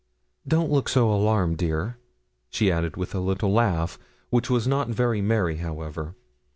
Don't look so alarmed, dear,' she added with a little laugh, which was not very merry, however.